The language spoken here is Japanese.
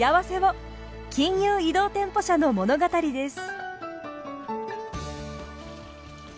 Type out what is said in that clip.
金融移動店舗車の物語です。